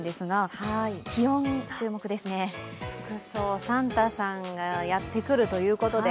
服装、サンタさんがやってくるということで。